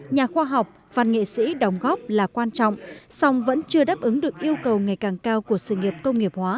nhà khoa học văn nghệ sĩ đồng góp là quan trọng song vẫn chưa đáp ứng được yêu cầu ngày càng cao của sự nghiệp công nghiệp hóa